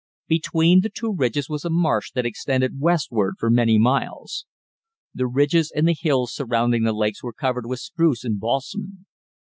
Between the two ridges was a marsh that extended westward for many miles. The ridges and the hills surrounding the lakes were covered with spruce and balsam.